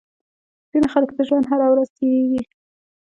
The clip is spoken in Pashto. په ځينې خلکو د ژوند هره ورځ تېرېږي.